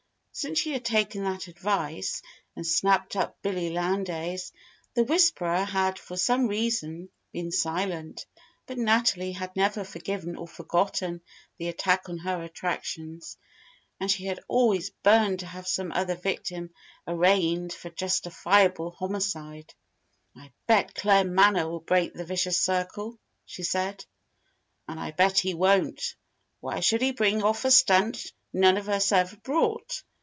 Since she had taken that advice and snapped up Billy Lowndes, the "Whisperer" had for some reason been silent; but Natalie had never forgiven or forgotten the attack on her attractions, and she had always burned to have some other victim arraigned for justifiable homicide. "I bet Claremanagh will break the vicious Circle!" she said. "And I bet he won't. Why should he bring off a stunt none of us ever brought?